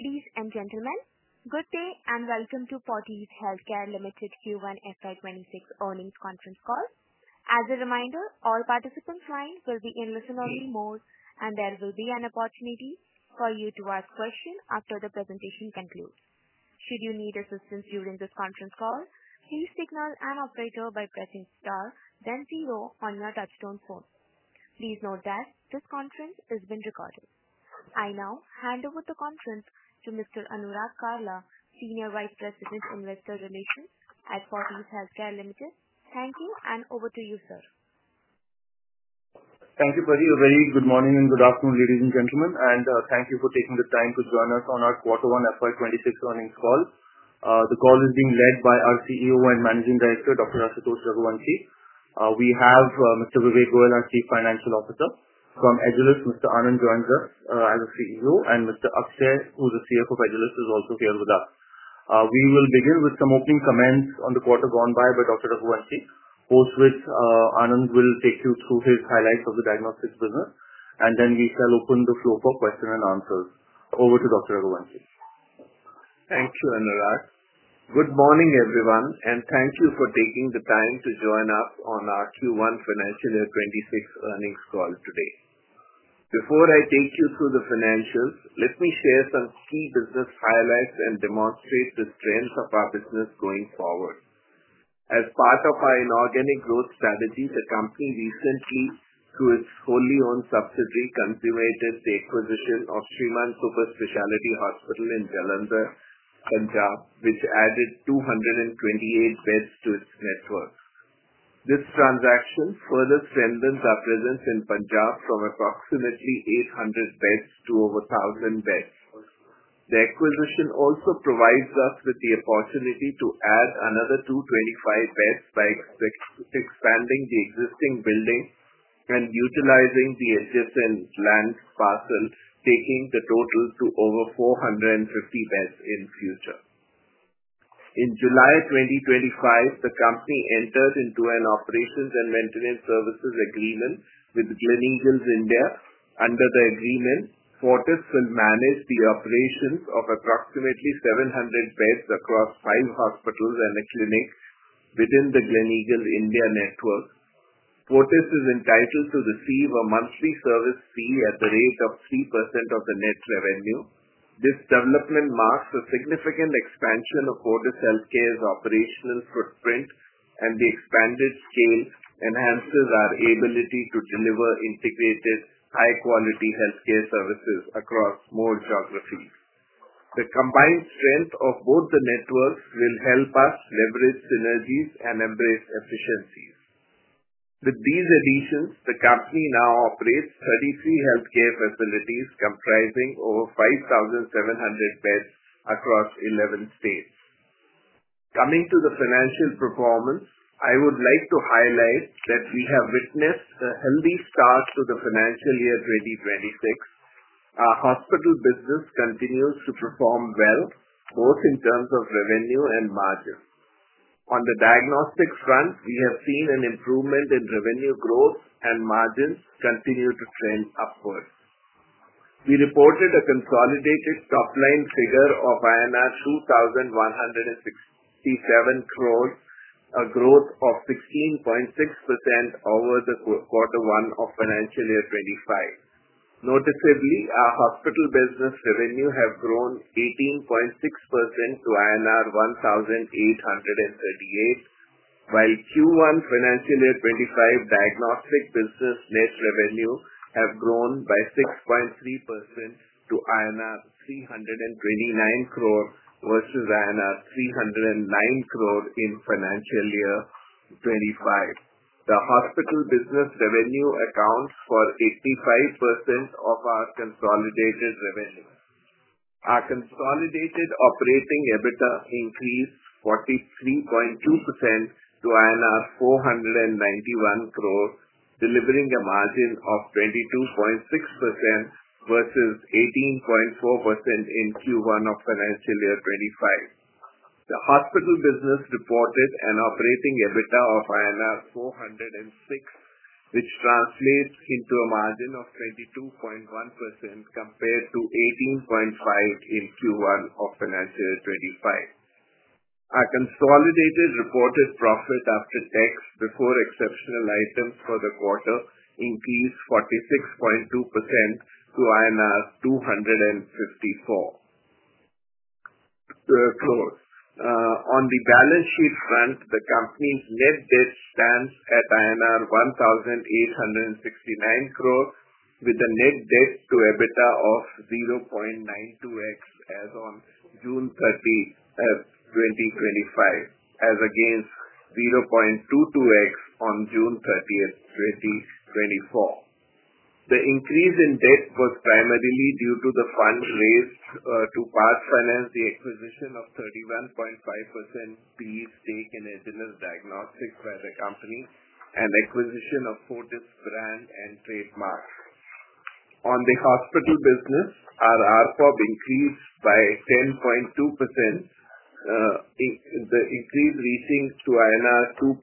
Ladies and gentlemen, good day and welcome to Fortis Healthcare Limited's Q1 SR26 earnings conference call. As a reminder, all participants' lines will be in listen-only mode, and there will be an opportunity for you to ask questions after the presentation concludes. Should you need assistance during this conference call, please take note and operate by pressing star, then zero on your touch-tone phone. Please note that this conference is being recorded. I now hand over the conference to Mr. Anurag Kalra, Senior Vice President of Investor Relations at Fortis Healthcare Limited. Thank you, and over to you, sir. Thank you. A very good morning and good afternoon, ladies and gentlemen, and thank you for taking the time to join us on our Q1 FY2026 earnings call. The call is being led by our CEO and Managing Director, Dr. Ashutosh Raghuvanshi. We have Mr. Vivek Kumar Goyal, our Chief Financial Officer, from Fortis Healthcare Limited, Mr. Anand Angadi as our CEO of Agilus Diagnostics, and Mr. Akshay Tiwari, who is the CFO of Agilus Diagnostics, is also here with us. We will begin with some opening comments on the quarter gone by by Dr. Raghuvanshi, post which Anand will take you through his highlights of the diagnostics business, and then we shall open the floor for questions and answers. Over to Dr. Raghuvanshi. Thank you, Anurag. Good morning, everyone, and thank you for taking the time to join us on our Q1 financial year 2026 earnings call today. Before I take you through the financials, let me share some key business highlights and demonstrate the strength of our business going forward. As part of our inorganic growth strategies, the company recently, through its solely-owned subsidiary, completed the acquisition of Shrimann Superspecialty Hospital in Jalandhar, Punjab, which added 228 beds to its net worth. This transaction further strengthens our presence in Punjab from approximately 800 beds to over 1,000 beds. The acquisition also provides us with the opportunity to add another 225 beds by expanding the existing building and utilizing the SSN land parcel, taking the total to over 450 beds in the future. In July 2025, the company entered into an Operations and Maintenance Services Agreement with Gleneagles India. Under the agreement, Fortis will manage the operations of approximately 700 beds across five hospitals and a clinic within the Gleneagles India network. Fortis is entitled to receive a monthly service fee at the rate of 3% of the net revenue. This development marks a significant expansion of Fortis Healthcare's operational footprint, and the expanded scale enhances our ability to deliver integrated, high-quality healthcare services across more geographies. The combined strength of both the networks will help us leverage synergies and embrace efficiencies. With these additions, the company now operates 33 healthcare facilities comprising over 5,700 beds across 11 states. Coming to the financial performance, I would like to highlight that we have witnessed a healthy start to the financial year 2026. Our hospital business continues to perform well, both in terms of revenue and margins. On the diagnostic services front, we have seen an improvement in revenue growth, and margins continue to trend upwards. We reported a consolidated top-line figure of 2,167 crore, a growth of 16.6% over Q1 of financial year 2025. Noticeably, our hospital business revenue has grown 18.6% to INR 1,838 crore, while Q1 financial year 2025 diagnostic services net revenue has grown by 6.3% to INR 329 crore versus INR 309 crore in financial year 2025. The hospital business revenue accounts for 85% of our consolidated revenue. Our consolidated operating EBITDA increased 43.2% to INR 491 crore, delivering a margin of 22.6% versus 18.4% in Q1 of financial year 2025. The hospital business reported an operating EBITDA of INR 406 crore, which translates into a margin of 22.1% compared to 18.5% in Q1 of financial year 2025. Our consolidated reported profit after tax before exceptional items for the quarter increased 46.2% to INR 254 crore. On the balance sheet front, the company's net debt stands at INR 1,869 crore, with a net debt to EBITDA of 0.92x as on June 30, 2025, as against 0.22x on June 30, 2024. The increase in debt was primarily due to the funds raised to finance the acquisition of 31.5% BE stake in Agilus Diagnostics by the company and acquisition of Fortis brand and trademarks. On the hospital business, our RPOB increased by 10.2%, the increase reaching to INR 2.65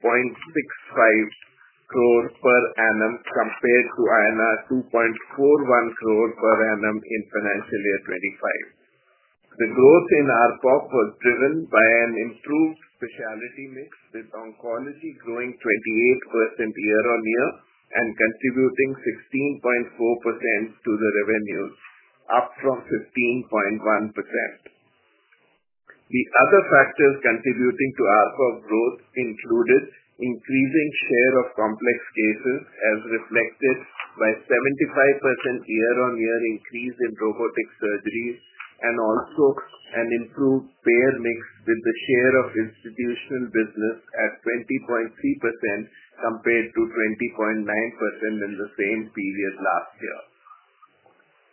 crore per annum compared to INR 2.41 crore per annum in financial year 2025. The growth in RPOB was driven by an improved specialty mix with oncology growing 28% YoY and contributing 16.4% to the revenue, up from 15.1%. The other factors contributing to RPOB growth included increasing share of complex cases, as reflected by a 75% YoY increase in robotic surgeries, and also an improved payer mix with the share of institutional business at 20.3% compared to 20.9% in the same period last year.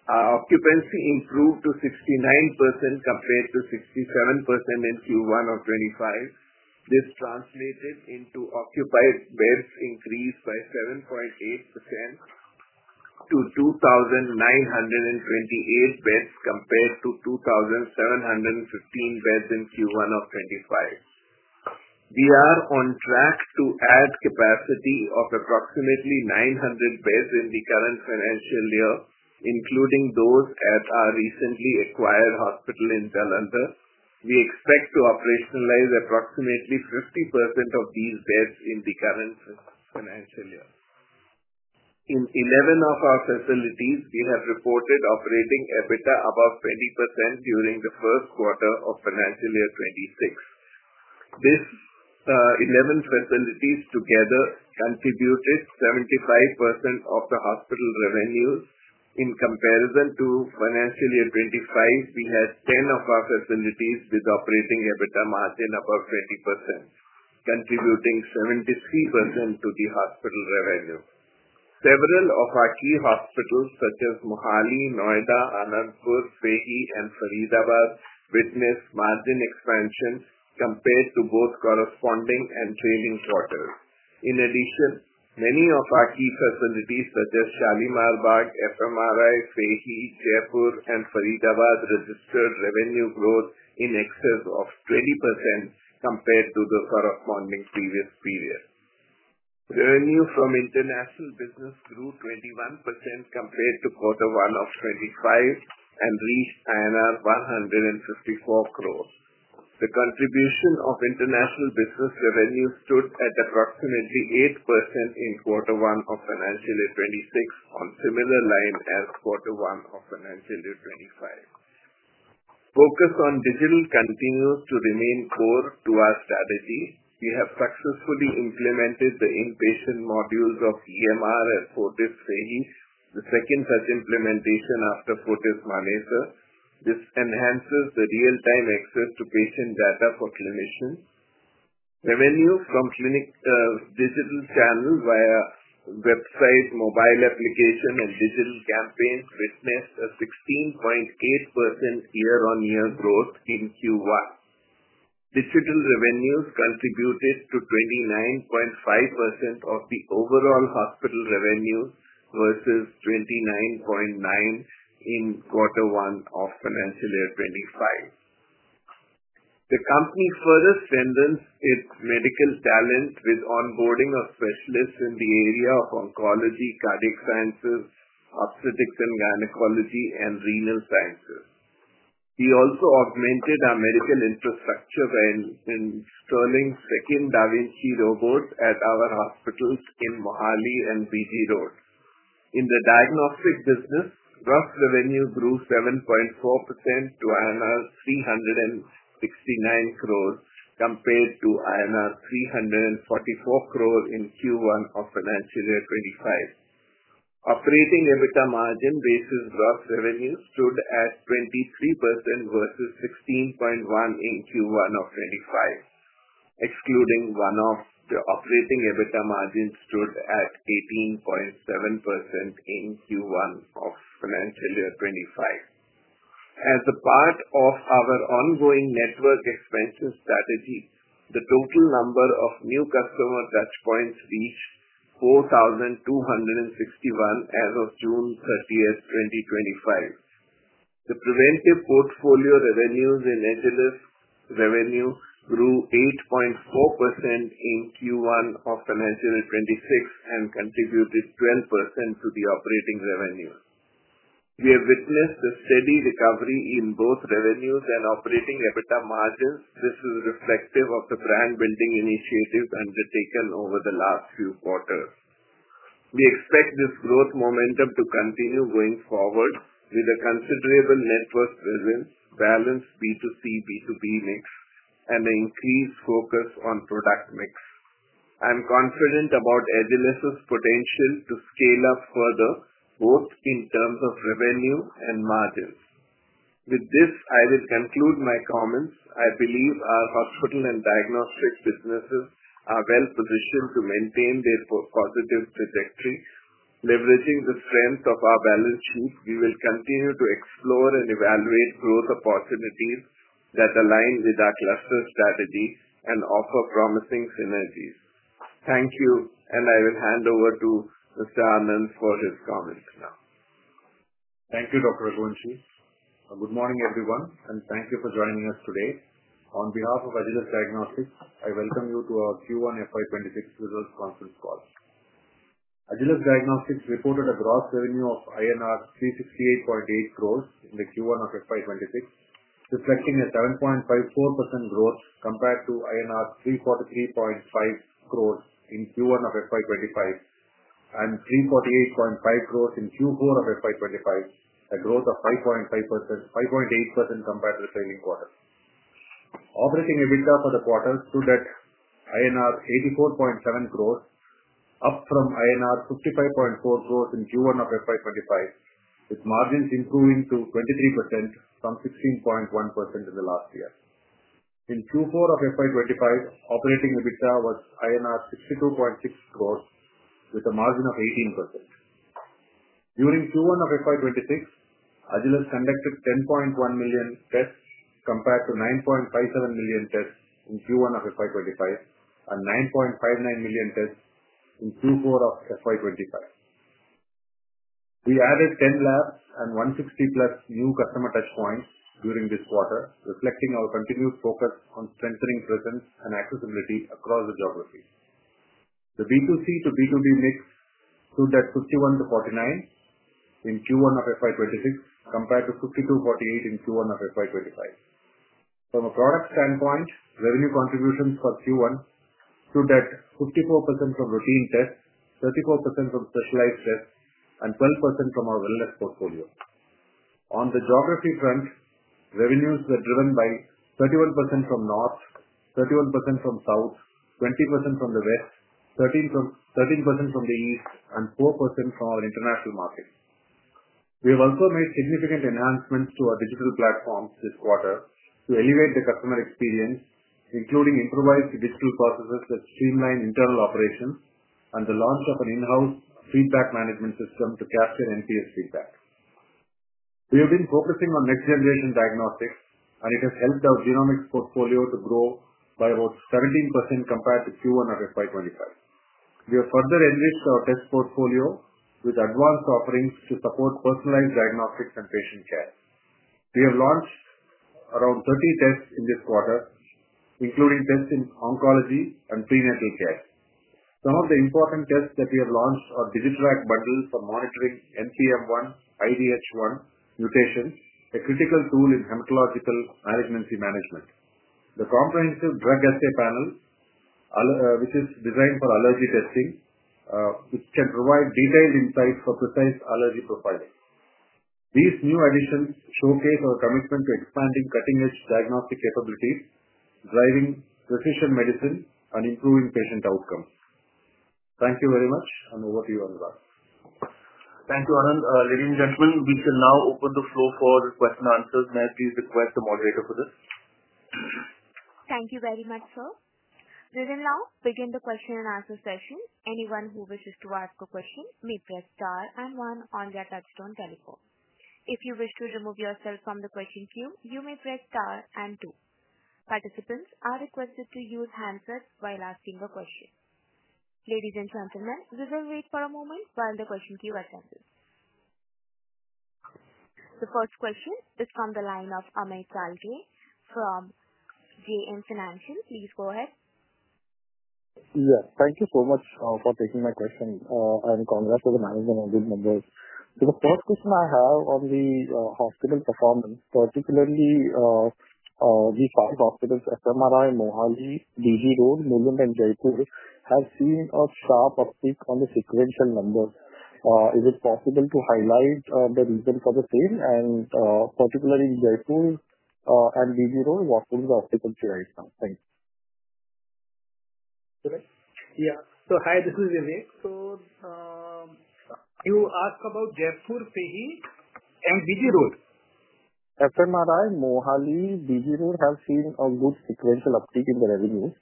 Our occupancy improved to 69% compared to 67% in Q1 of 2025. This translated into occupied beds increased by 7.8% to 2,928 beds compared to 2,715 beds in Q1 of 2025. We are on track to add capacity of approximately 900 beds in the current financial year, including those at our recently acquired hospital in Jalandhar. We expect to operationalize approximately 50% of these beds in the current financial year. In 11 of our facilities, we have reported operating EBITDA above 20% during the first quarter of financial year 2026. These 11 facilities together contributed 75% of the hospital revenue. In comparison to financial year 2025, we had 10 of our facilities with operating EBITDA margin above 20%, contributing 73% to the hospital revenue. Several of our key hospitals, such as Mohali, Noida, Anandpur, Faridabad, and Faridabad witnessed margin expansion compared to both corresponding and trailing quarters. In addition, many of our key facilities, such as Shalimar Bagh, FMRI, Faridabad, Jaipur, and Faridabad registered revenue growth in excess of 20% compared to the corresponding previous period. Revenue from international business grew 21% compared to Q1 of 2025 and reached INR 154 crore. The contribution of international business revenue stood at approximately 8% in Q1 of financial year 2026, on a similar line as Q1 of financial year 2025. Focus on digital continues to remain core to our strategy. We have successfully implemented the inpatient modules of EMR at Fortis Vashi, the second such implementation after Fortis Manesar. This enhances the real-time access to patient data for clinicians. Revenue from clinic digital channels via website, mobile application, and digital campaigns witnessed a 16.8% year-over-year growth in Q1. Digital revenues contributed to 29.5% of the overall hospital revenue versus 29.9% in Q1 of financial year 2025. The company further strengthens its medical talents with onboarding of specialists in the area of oncology, cardiac sciences, obstetrics and gynecology, and renal sciences. We also augmented our medical infrastructure by installing second da Vinci robots at our hospitals in Mohali and BG Road. In the diagnostics business, diagnostic revenue grew 7.4% to INR 369 crore compared to INR 344 crore in Q1 of financial year 2025. Operating EBITDA margin versus diagnostic revenue stood at 23% versus 16.1% in Q1 of 2025, excluding one-off. The operating EBITDA margin stood at 18.7% in Q1 of financial year 2025. As a part of our ongoing network expansion strategy, the total number of new customer touchpoints reached 4,261 as of June 30, 2025. The preventive portfolio revenues in Agilus Diagnostics revenue grew 8.4% in Q1 of financial year 2026 and contributed 12% to the operating revenue. We have witnessed a steady recovery in both revenues and operating EBITDA margins. This is reflective of the brand-building initiatives undertaken over the last few quarters. We expect this growth momentum to continue going forward with a considerable network presence, balanced B2C, B2B mix, and an increased focus on product mix. I'm confident about Agilus Diagnostics's potential to scale up further, both in terms of revenue and margins. With this, I will conclude my comments. I believe our hospital and diagnostic services businesses are well positioned to maintain their positive trajectory. Leveraging the strength of our balance sheet, we will continue to explore and evaluate growth opportunities that align with our cluster strategy and offer promising synergies. Thank you, and I will hand over to Mr. Anand Angadi for his comments now. Thank you, Dr. Raghuvanshi. Good morning, everyone, and thank you for joining us today. On behalf of Agilus Diagnostics, I welcome you to our Q1 FY2026 results conference call. Agilus Diagnostics reported a gross revenue of INR 368.8 crores in Q1 FY2026, reflecting a 7.54% growth compared to INR 343.5 crores in Q1 FY2025 and 348.5 crores in Q4 FY2025, a growth of 5.8% compared to the trailing quarter. Operating EBITDA for the quarter stood at INR 84.7 crores, up from INR 55.4 crores in Q1 FY2025, with margins improving to 23% from 16.1% in the last year. In Q4 FY2025, operating EBITDA was INR 62.6 crores, with a margin of 18%. During Q1 FY2026, Agilus conducted 10.1 million tests compared to 9.57 million tests in Q1 FY2025 and 9.59 million tests in Q4 FY2025. We added 10 labs and 160 plus new customer touchpoints during this quarter, reflecting our continued focus on strengthening presence and accessibility across the geography. The B2C to B2B mix stood at 51-49 in Q1 FY2026 compared to 52-48 in Q1 FY2025. From a product standpoint, revenue contributions for Q1 stood at 54% from routine tests, 34% from specialized tests, and 12% from our wellness portfolio. On the geography front, revenues were driven by 31% from North, 31% from South, 20% from the West, 13% from the East, and 4% from our international markets. We have also made significant enhancements to our digital platforms this quarter to elevate the customer experience, including improvised digital processes that streamline internal operations and the launch of an in-house feedback management system to capture NPS feedback. We have been focusing on next-generation diagnostics, and it has helped our genomics portfolio to grow by about 13% compared to Q1 FY2025. We have further enriched our test portfolio with advanced offerings to support personalized diagnostics and patient care. We have launched around 30 tests in this quarter, including tests in oncology and prenatal care. Some of the important tests that we have launched are Digitrak bundles for monitoring NPM1 IDH1 mutations, a critical tool in hematological malignancy management. The comprehensive drug assay panel, which is designed for allergy testing, can provide detailed insights for precise allergy profiling. These new additions showcase our commitment to expanding cutting-edge diagnostic capabilities, driving precision medicine, and improving patient outcomes. Thank you very much, and over to you, Anurag. Thank you, Anand. Ladies and gentlemen, we shall now open the floor for the question and answers, and I please request the moderator for this. Thank you very much, sir. We will now begin the question and answer session. Anyone who wishes to ask a question may press star and one on their touch-tone telephone. If you wish to remove yourself from the question queue, you may press star and two. Participants are requested to use handsets while asking a question. Ladies and gentlemen, we will wait for a moment while the question queue advances. The first question is from the line of Amit Jhalaria from JM Financial. Please go ahead. Thank you so much for taking my question, and congrats to the management on these numbers. The first question I have on the hospital performance, particularly the five hospitals: FMRI, Mohali, BG Road, Mulund, and Jaipur, have seen a sharp uptick on the sequential numbers. Is it possible to highlight the reason for the same, particularly Jaipur and BG Road? What is the uptick on CRAs? Okay. Yeah. Hi, this is Amit. You ask about Jaipur, FMRI, and BG Road. FMRI, Mohali, BG Road have seen a good sequential uptick in the revenues,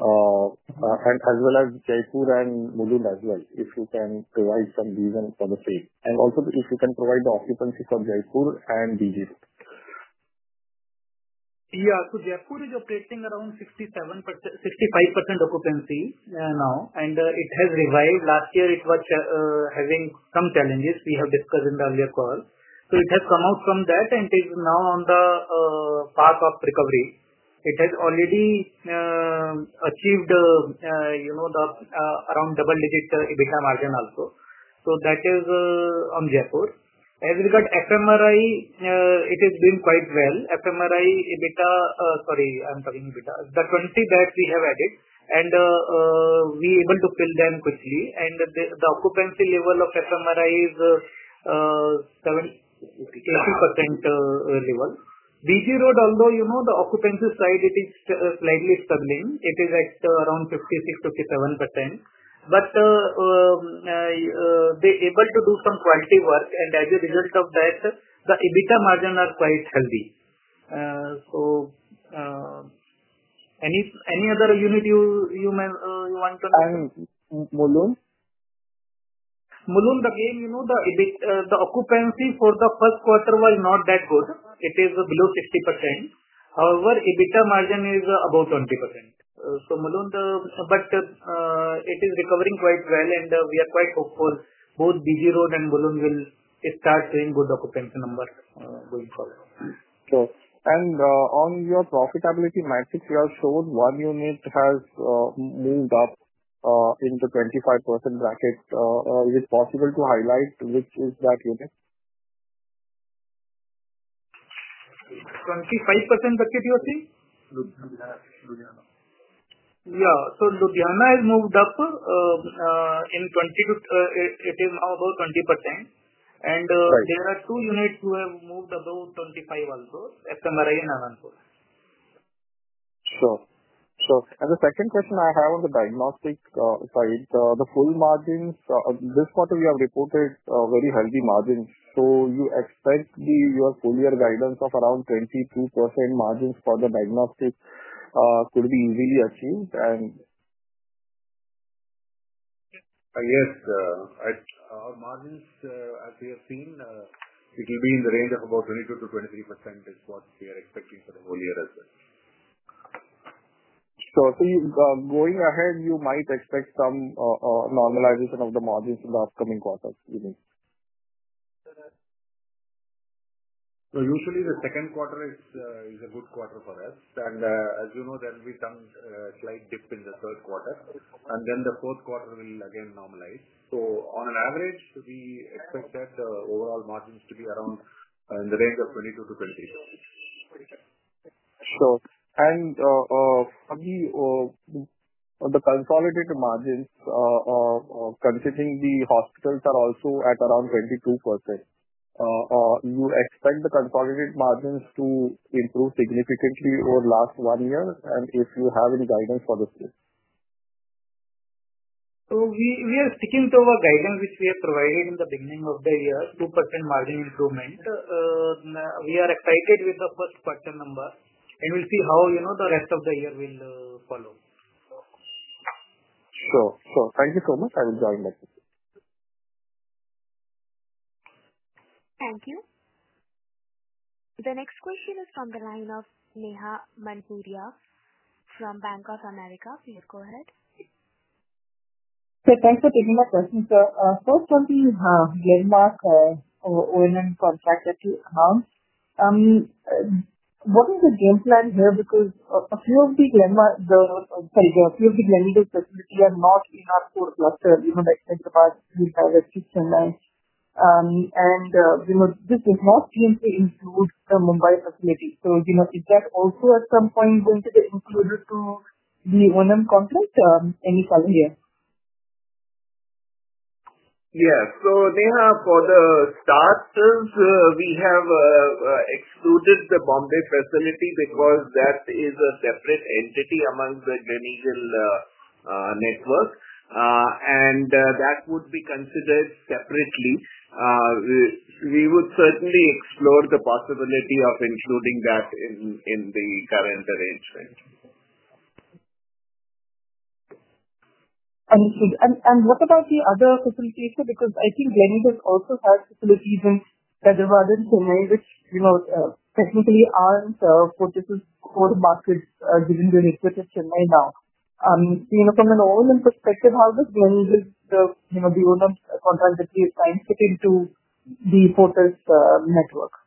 as well as Jaipur and Mohali as well. If you can provide some reason for the same, and also if you can provide the occupancy for Jaipur and BG Road. Yeah. Jaipur is operating around 65% occupancy now, and it has revived. Last year, it was having some challenges we have discussed in the earlier call. It has come out from that and is now on the path of recovery. It has already achieved, you know, around double-digit EBITDA margin also. That is on Jaipur. As we go to FMRI, it has been quite well. FMRI EBITDA, sorry, I'm talking EBITDA. The 20 that we have added, and we are able to fill them quickly. The occupancy level of FMRI is 88% level. BG Road, although the occupancy side is slightly struggling, is at around 56, 57%. They are able to do some quality work, and as a result of that, the EBITDA margin is quite healthy. Any other unit you want to? Mulund. Mulund, again, you know the occupancy for the first quarter was not that good. It is below 50%. However, EBITDA margin is about 20%. Mulund, but it is recovering quite well, and we are quite hopeful both BG Road and Mulund will start seeing good occupancy numbers going forward. On your profitability matrix, you have shown one unit has moved up into the 25% bracket. Is it possible to highlight which is that unit? 25% bracket, you are saying? Ludhiana. Ludhiana has moved up in 25%. It is now about 20%. There are two units who have moved about 25% also, FMRI and Anandpur. The second question I have on the diagnostic side, the full margins, this quarter we have reported very healthy margins. Do you expect your full-year guidance of around 22% margins for the diagnostics could be easily achieved? Yes. Our margins, as we have seen, it will be in the range of about 22%-23% is what we are expecting for the whole year as well. I think going ahead, you might expect some normalization of the margins in the upcoming quarters, you mean? Usually, the second quarter is a good quarter for us. As you know, we turn quite deep in the third quarter, and the fourth quarter will again normalize. On average, we expect that the overall margins to be around in the range of 22%-20%. The consolidated margins, considering the hospitals are also at around 22%, do you expect the consolidated margins to improve significantly over the last one year? If you have any guidance for the same. We are sticking to our guidance, which we have provided in the beginning of the year, 2% margin improvement. We are excited with the first quarter number. We'll see how the rest of the year will follow. Thank you so much and enjoy your night. Thank you. The next question is from the line of Neha Manpuria from Bank of America. Please go ahead. Thank you for taking that question. First, on the landmark Operations and Maintenance Services Agreements, what is the game plan here? A few of the landmark facilities are not in our core clusters, like the Bharati, Sarasit, Chennai. This does not seem to include the Mumbai facilities. Is that also at some point going to get included in the Operations and Maintenance Services Agreements? Any thoughts here? Yeah. Neha, for the starters, we have excluded the Bombay facility because that is a separate entity among the Gleneagles India network. That would be considered separately. We would certainly explore the possibility of including that in the current arrangement. What about the other facilities? I think Gleneagles India also has facilities in Cheddar Garden, Chennai, which technically aren't Fortis Healthcare Limited's core markets given we are located at Chennai now. From an Operations and Maintenance Services Agreement perspective, how does Gleneagles India's O&M contract actually tie into the Fortis Healthcare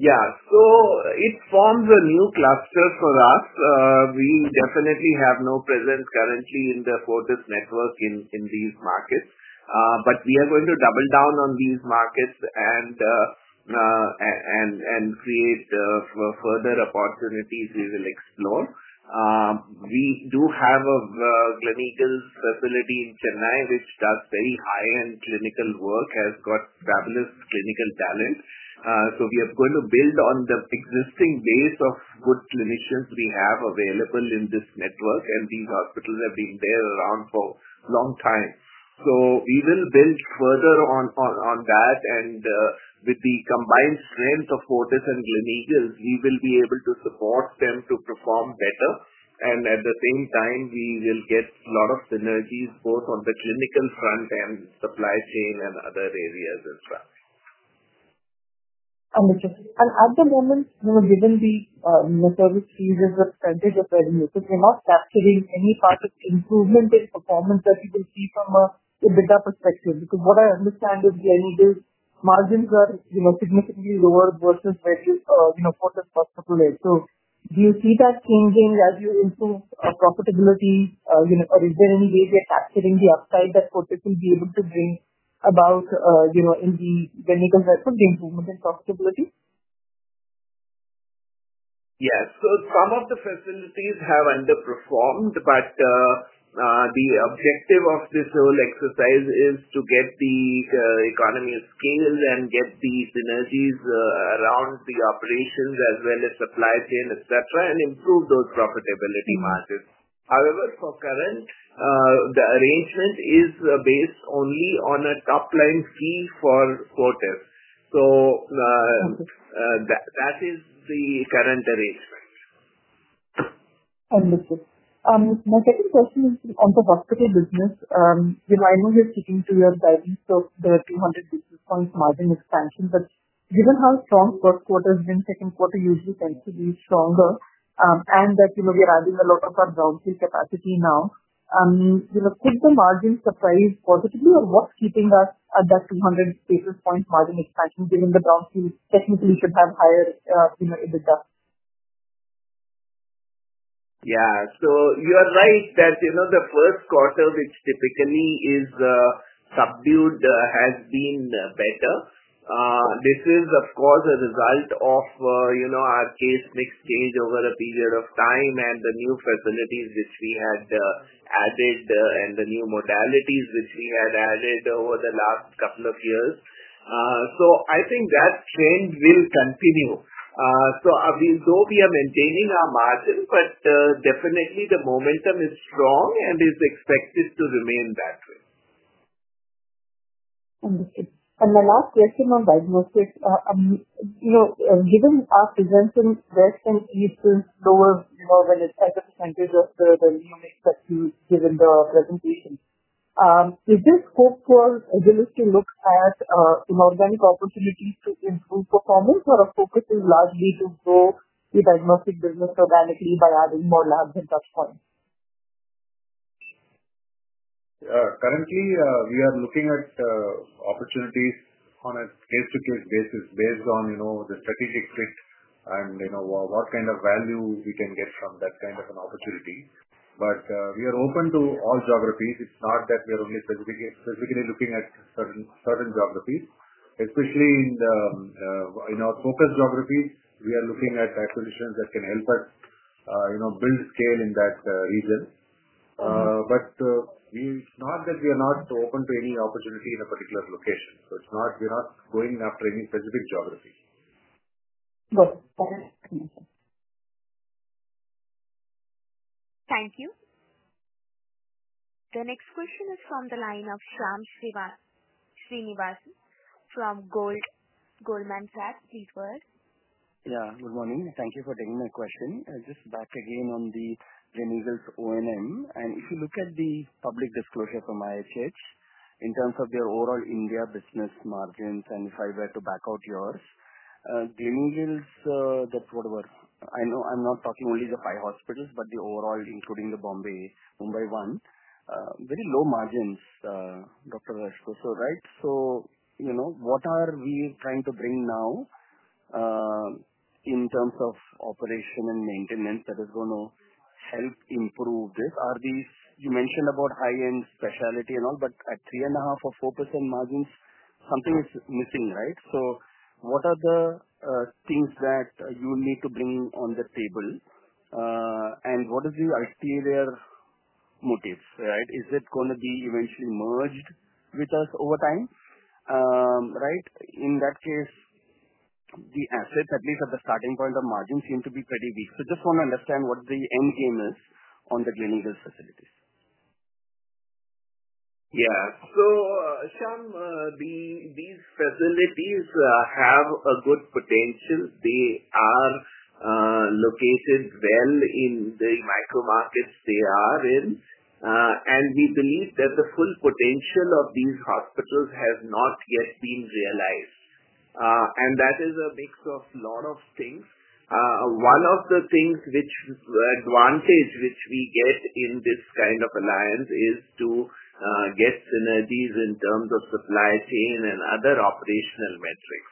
Limited network? Yeah. It forms a new cluster for us. We definitely have no presence currently in the Fortis network in these markets. We are going to double down on these markets and create further opportunities we will explore. We do have a Gleneagles facility in Chennai, which does very high-end clinical work, has got fabulous clinical talent. We are going to build on the existing base of good clinicians we have available in this network. These hospitals have been there around for a long time. We will build further on that. With the combined strength of Fortis and Gleneagles, we will be able to support them to perform better. At the same time, we will get a lot of synergies, both on the clinical front and supply chain and other areas as well. At the moment, given the service fees and the % of revenue to pay off, is that giving any part of improvement in performance that you can see from an EBITDA perspective? What I understand is Gleneagles India's margins are significantly lower versus Fortis Healthcare Limited's. Do you see that changing as you improve profitability, or is there any way we are capturing the upside that Fortis Healthcare Limited will be able to bring about in the Gleneagles India improvement in profitability? Yes. Some of the facilities have underperformed, but the objective of this whole exercise is to get the economy of scale and get the synergies around the operations as well as supply chain, etc., and improve those profitability margins. However, for current, the arrangement is based only on a top-line fee for Fortis. That is the current arrangement. Understood. My second question is on the hospital business. I know you're sticking to your guidance of the 250 basis point margin expansion, but given how strong first quarter has been, second quarter usually tends to be stronger, and that we are adding a lot of our brownfield capacity now. Do you think the margins surprise positively? What's keeping us at that 200 basis point margin expansion, given the brownfield technically should have higher EBITDA? Yeah. You are right that the first quarter, which typically is subdued, has been better. This is, of course, a result of our case mix change over a period of time and the new facilities which we had added and the new modalities which we had added over the last couple of years. I think that change will continue. Although we are maintaining our margin, the momentum is strong and is expected to remain that way. Understood. The last question on balance sheet, given our presence in west and east, since lower than a certain % of the revenue is given the presentation, is there scope for Agilus to look at inorganic opportunities to improve performance or effectively largely to grow the diagnostic business organically by adding more labs and touchpoints? Currently, we are looking at opportunities on a case-to-case basis based on the strategic fit and what kind of value we can get from that kind of an opportunity. We are open to all geographies. It's not that we are only specifically looking at certain geographies. Especially in our focus geographies, we are looking at acquisitions that can help us build scale in that region. It's not that we are not open to any opportunity in a particular location. It's not we're not going after any specific geography. Got it. Got it. Thank you. The next question is from the line of Sam Srinivas from Goldman Sachs. Please go ahead. Yeah. Good morning. Thank you for taking my question. I'm just back again on the Gleneagles Operations and Maintenance Services Agreement. If you look at the public disclosure from IHH in terms of their overall India business margins, and if I were to back out yours, Gleneagles, that's whatever. I know I'm not talking only the five hospitals, but the overall, including the Bombays, Mumbai One, very low margins, Dr. Raghuvanshi. Right? What are we trying to bring now in terms of operational maintenance that is going to help improve this? You mentioned high-end specialty and all, but at 3.5% or 4% margins, something is missing, right? What are the things that you need to bring on the table? What is the ulterior motive, right? Is it going to be eventually merged with us over time? In that case, the asset, at least at the starting point, the margins seem to be pretty weak. I just want to understand what the end game is on the Gleneagles facilities. Yeah. These facilities have a good potential. They are located well in the micromarkets they are in. We believe that the full potential of these hospitals has not yet been realized. That is a mix of a lot of things. One of the things, which advantage which we get in this kind of alliance, is to get synergies in terms of supply chain and other operational metrics.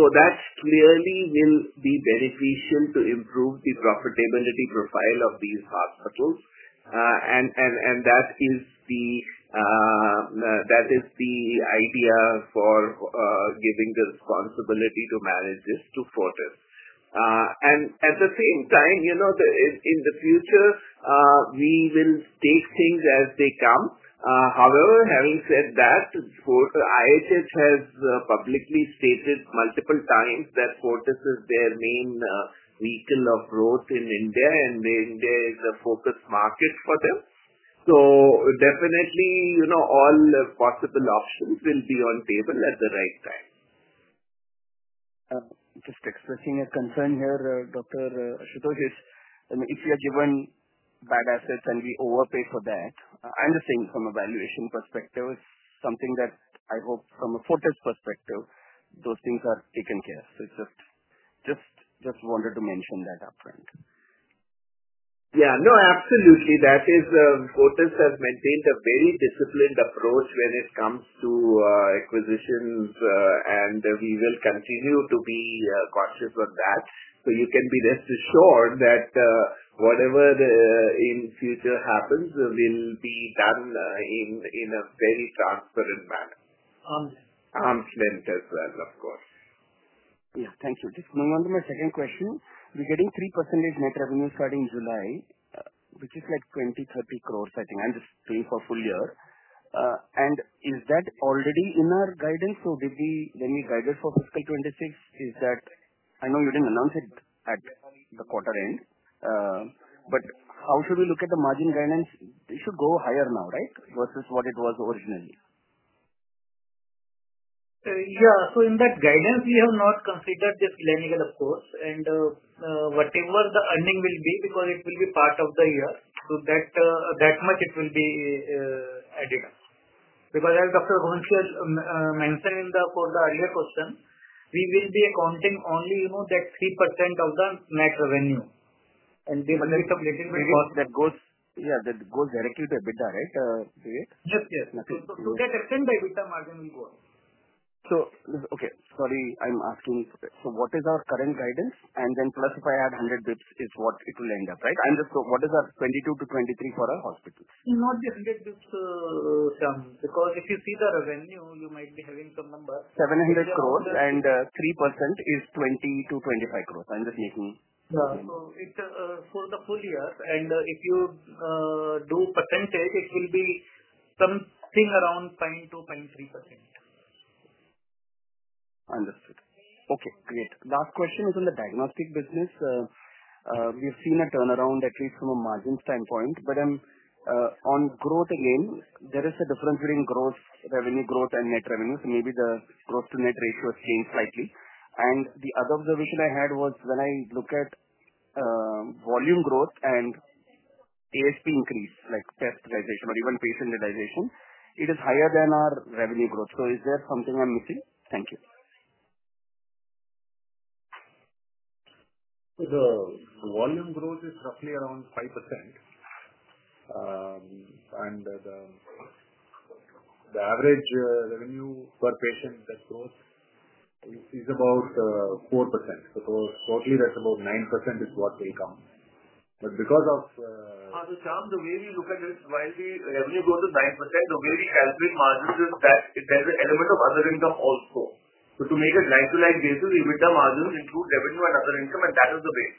That clearly will be beneficial to improve the profitability profile of these hospitals. That is the idea for giving the responsibility to manage this to Fortis. At the same time, you know, in the future, we will take things as they come. However, having said that, IHH has publicly stated multiple times that Fortis is their main beacon of growth in India, and India is a focused market for them. Definitely, you know, all possible options will be on the table at the right time. Just expressing a concern here, Dr. Raghuvanshi, I mean, if we are given bad assets and we overpay for that, I'm the same from a valuation perspective. It's something that I hope from a Fortis perspective, those things are taken care of. Just wanted to mention that upfront. Yeah. No, absolutely. Fortis has maintained a very disciplined approach when it comes to acquisitions, and we will continue to be conscious of that. You can be rest assured that whatever in the future happens will be done in a very transparent manner. I'm slant as well, of course. Thank you. Just moving on to my second question, we're getting 3% net revenue starting July, which is like 20- 30 crore, I think. I'm just saying for full year. Is that already in our guidance, or did we get any guidance for Q2 2026? I know you didn't announce it at the quarter end. How should we look at the margin guidance? It should go higher now, right, versus what it was originally? Yeah. In that guidance, we have not considered just Gleneagles, of course. Whatever the earnings will be, because it will be part of the year, that much it will be added up. As Dr. Ashutosh Raghuvanshi had mentioned for the earlier question, we will be accounting only that 3% of the net revenue. The value is uplifted because that goes directly to EBITDA, right? Yes, yes. 2% EBITDA margin will go up. Okay, sorry, I'm asking, what is our current guidance? If I add 100 bps, is that what it will end up, right? I understand. What is our 2022-2023 for our hospitals? Not the 100 bps term, because if you see the revenue, you might be having some number. 700 crore and 3% is 20 to 25 crore. I'm just making. Yeah, it's for the full year. If you do percentage, it will be something around 0.2% to 0.3%. Understood. Okay. Great. Last question is on the diagnostic business. We have seen a turnaround, at least from a margin standpoint. I'm on growth again. There is a difference between growth, revenue growth, and net revenue. Maybe the growth-to-net ratio has changed slightly. The other observation I had was when I look at volume growth and ASP increase, like test utilization or even patient utilization, it is higher than our revenue growth. Is there something I'm missing? Thank you. The volume growth is roughly around 5%. The average revenue per patient, that growth is about 4%. Quarterly, that's about 9% is what they found. The way we look at it, while the revenue growth is 9%, the way we help with margins is that it has an element of other income also. To make it line to line basis, EBITDA margins include revenue and other income, and that is the base.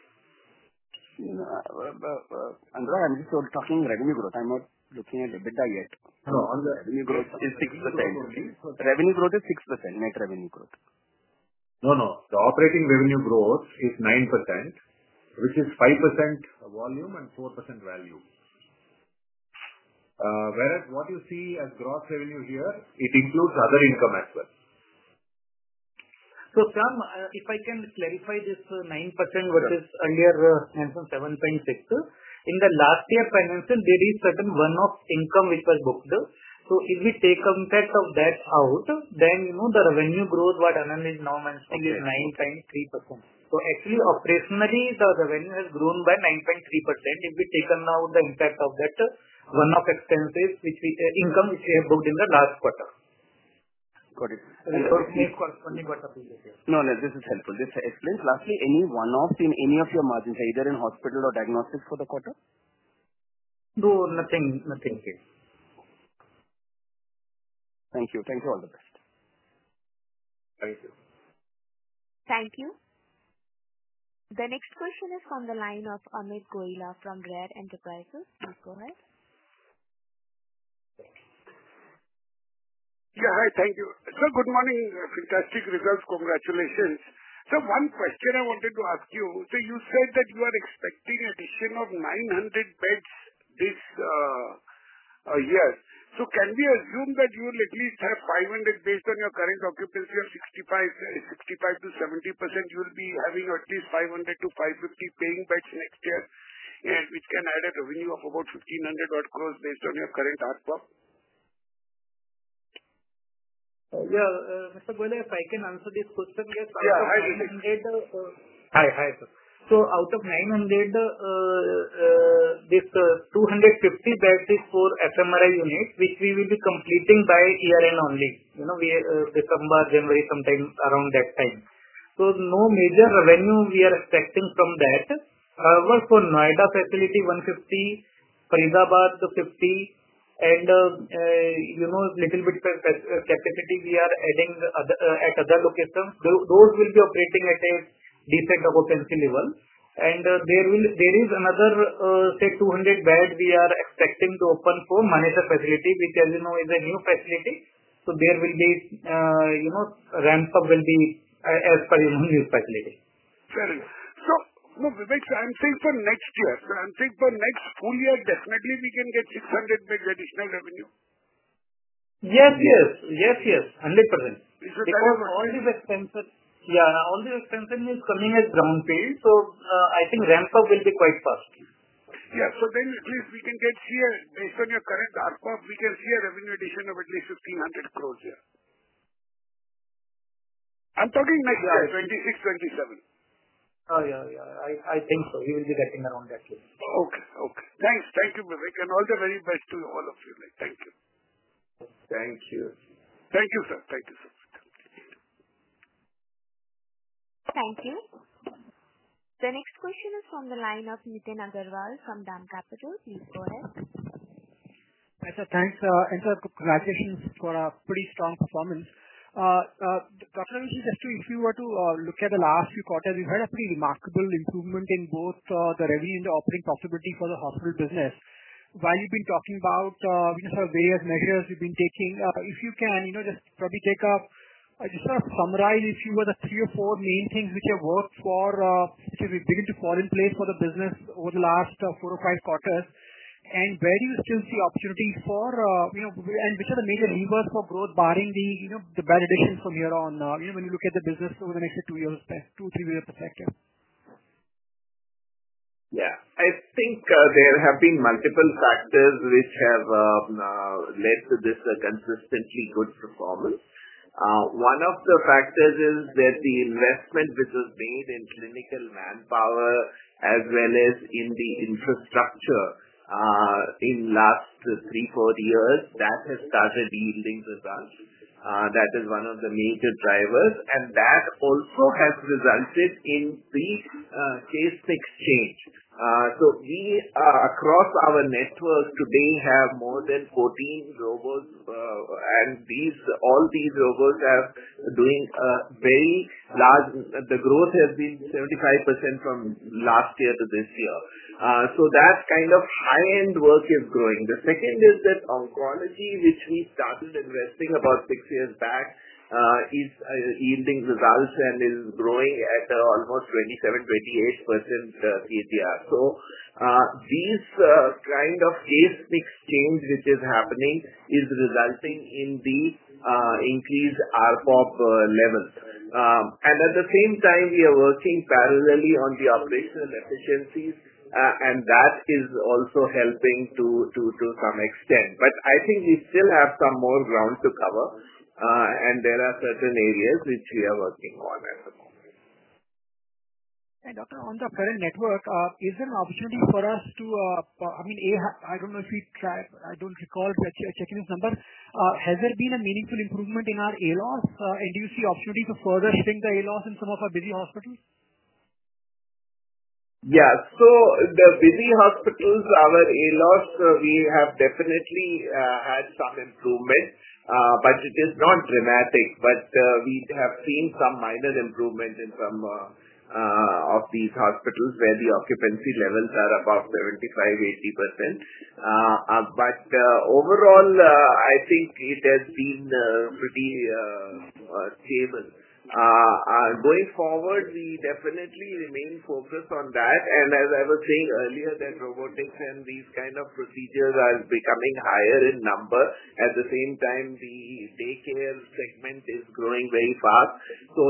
Anurag, I'm just talking revenue growth. I'm not looking at EBITDA yet. On the revenue basis, it's 6%. The revenue growth is 6% net revenue growth. No, no. The operating revenue growth is 9%, which is 5% volume and 4% value. What you see as gross revenue here includes other income as well. If I can clarify this 9% versus earlier 7.6%, in last year's financials, there is certain one-off income which was booked. If we take the impact of that out, then the revenue growth, what Anand is now mentioning, is 9.3%. Actually, operationally, the revenue has grown by 9.3% if we take out the impact of that one-off income which we have booked in the last quarter. Got it. The first case corresponding to what? No, no. This is helpful. Just explain lastly, any one-off in any of your margins, either in hospital or diagnostics for the quarter? No, nothing. Nothing here. Thank you. Thank you, all the best. Thank you. Thank you. The next question is from the line of Amit Goila from RARE Enterprises. Please go ahead. Yeah. Hi. Thank you. Good morning. Fantastic results. Congratulations. One question I wanted to ask you. You said that you are expecting a decision of 900 beds this year. Can we assume that you will at least have 500 based on your current occupancy of 65%-70%? You will be having at least 500-550 staying beds next year, which can add a revenue of about 1,500 crores based on your current output? Yes, Mr. Ashutosh, if I can answer this question, yes. I'm sorry. Yeah, go ahead. Hi. Hi, sir. Out of 900, this 250 beds is for FMRI units, which we will be completing by year-end only. We are December, January, sometime around that time. No major revenue we are expecting from that. Our work for Noida facility, 150, Faridabad 50, and a little bit per capability we are adding at other locations. Those will be operating at a decent occupancy level. There is another, say, 200 beds we are expecting to open for Manesar facility, which, as you know, is a new facility. There will be ramps up as per the new facility. Very good. I'm saying for next year, for next full year, definitely we can get 600 beds additional revenue? Yes, yes. 100%. All these expenses are coming at ground pay. I think ramps up will be quite fast. Yeah, at least we can get here based on your current output. We can see a revenue addition of at least 1,500 crore here. I'm talking next year. Yeah, 2026, 2027. Yeah, I think so. We will be there in and around that year. Okay. Okay. Thank you, Vivek, and all the very best to all of you. Thank you. Thank you. Thank you, sir. Thank you. Thank you. The next question is from the line of Ethan Agarwal from DAM Capital. Please go ahead. Sir, thanks. Sir, congratulations for a pretty strong performance. The problem is, if you were to look at the last few quarters, you had a pretty remarkable improvement in both the revenue and the operating profitability for the hospital business. While you've been talking about various measures you've been taking, if you can just probably summarize the three or four main things which are worth, which have begun to fall in place for the business over the last four or five quarters, and where do you still see opportunity, and which are the major reasons for growth, barring the additions from here on, when you look at the business over the next two or three years ahead? Yeah. I think there have been multiple factors which have led to this consistently good performance. One of the factors is that the investment which was made in clinical manpower as well as in the infrastructure in the last three, four years has started yielding results. That is one of the major drivers. That also has resulted in the case mix change. We, across our network today, have more than 14 robots, and all these robots are doing very large. The growth has been 75% from last year to this year. That kind of high-end work is growing. The second is that oncology, which we started investing about six years back, is yielding results and is growing at almost 27% to 28% this year. These kind of case mix changes which are happening are resulting in the increased RPOB levels. At the same time, we are working parallelly on the operational efficiencies, and that is also helping to some extent. I think we still have some more ground to cover, and there are certain areas which we are working on as well. Doctor, on the current network, is there an opportunity for us to, I mean, I don't know if you track, I don't recall, but checking this number, has there been a meaningful improvement in our ALOS? Do you see opportunity to further think the ALOS in some of our busy hospitals? Yeah. The busy hospitals, our ALOS, we have definitely had some improvement, but it is not dramatic. We have seen some minor improvement in some of these hospitals where the occupancy levels are above 75% to 80%. Overall, I think it has been pretty stable. Going forward, we definitely remain focused on that. As I was saying earlier, robotics and these kind of procedures are becoming higher in number. At the same time, the daycare segment is growing very fast.